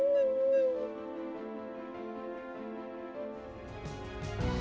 ya sudah ya sudah